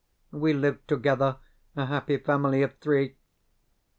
We lived together, a happy family of three.